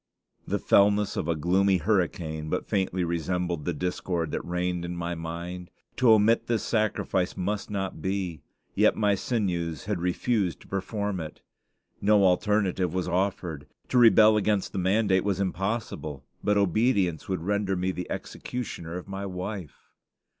The fellness of a gloomy hurricane but faintly resembled the discord that reigned in my mind. To omit this sacrifice must not be; yet my sinews had refused to perform it. No alternative was offered. To rebel against the mandate was impossible; but obedience would render me the executioner of my wife.